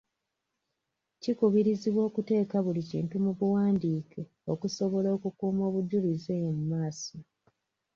Kikubirizibwa okuteeka buli kintu mu buwandiike okusobola okukuuma obujulizi eyo mu maaso.